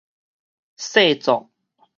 細作